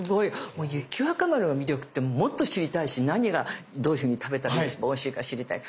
もう雪若丸の魅力ってもっと知りたいし何がどういうふうに食べたら一番おいしいか知りたい。